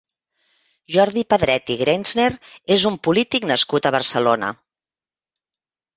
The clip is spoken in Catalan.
Jordi Pedret i Grenzner és un polític nascut a Barcelona.